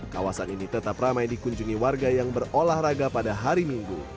kawasan ini tetap ramai dikunjungi warga yang berolahraga pada hari minggu